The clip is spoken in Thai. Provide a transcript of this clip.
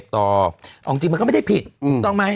ที่มึงก็ไม่ได้ผิดรึเปล่า